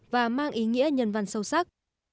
và mang ý nghĩa nhân văn sâu sắc